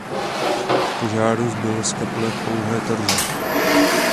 Po požáru zbylo z kaple pouhé torzo.